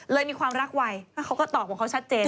มีความรักไวแล้วเขาก็ตอบของเขาชัดเจน